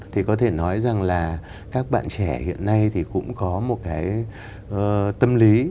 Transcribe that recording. thì có thể nói rằng là các bạn trẻ hiện nay thì cũng có một cái tâm lý